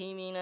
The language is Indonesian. ya ke sana